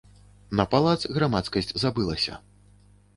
На палац грамадскасць забылася.